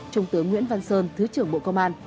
trung tướng nguyễn văn sơn thứ trưởng bộ công an